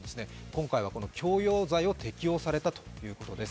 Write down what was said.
今回はこの強要罪を適用されたということです。